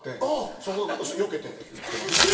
そこよけて行ってました